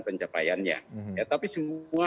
pencapaiannya tapi semua